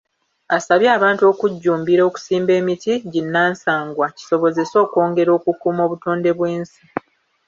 Asabye abantu okujjumbira okusimba emiti ginnansangwa kisobozese okwongera okukuuma obutonde bw’ensi.